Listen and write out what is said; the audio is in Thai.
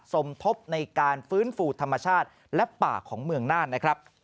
สมทบในการฟื้นฟูธรรมชาติและป่าของเมืองน่านนะครับ